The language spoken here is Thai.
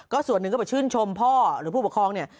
ส่วนหนึ่งก็ไปชื่นชมพ่อหรือผู้ปกครองเนี่ย